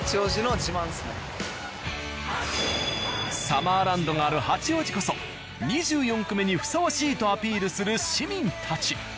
サマーランドがある八王子こそ２４区目にふさわしいとアピールする市民たち。